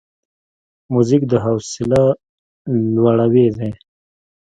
موزیک د حوصله لوړاوی دی.